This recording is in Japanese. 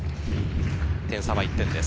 点差は１点です。